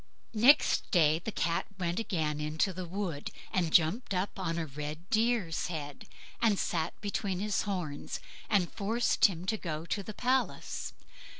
Next day the Cat went again into the wood, and jumped up on a red deer's head, and sat between his horns, and forced him to go to the palace.